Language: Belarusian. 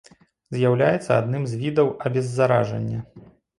З'яўляецца адным з відаў абеззаражання.